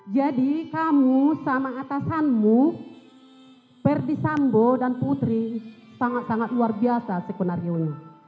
jadi kamu sama atasanmu perdi sambo dan putri sangat sangat luar biasa skenario ini